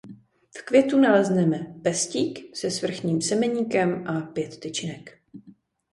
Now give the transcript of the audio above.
V květu nalezneme pestík se svrchním semeníkem a pět tyčinek.